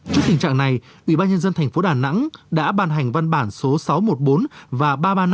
trước tình trạng này ủy ban nhân dân thành phố đà nẵng đã ban hành văn bản số sáu trăm một mươi bốn và ba trăm ba mươi năm